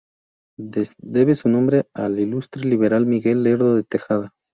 Debe su nombre al ilustre liberal Miguel Lerdo de Tejada.